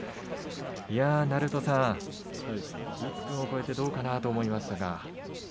鳴戸さん１分を超えてどうかなと思いましたが。